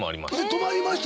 止まりました